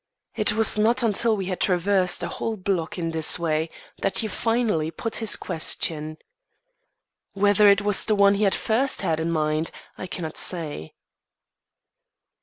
It was not until we had traversed a whole block in this way that he finally put his question. Whether it was the one he had first had in mind, I cannot say.